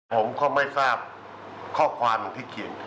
ผมก็ไม่ทราบข้อความที่เขียน